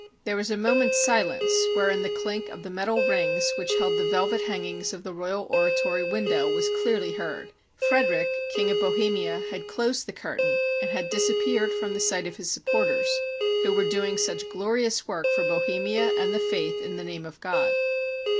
There was a moment's silence wherein the clink of the metal rings which held the velvet hangings of the royal oratory window was clearly heard. Frederick, King of Bohemia, had closed the curtain, and had disappeared from the sight of his supporters, who were doing such glorious work for Bohemia and the Faith in the name of God.